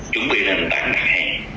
chuẩn bị lên tảng đại hẹn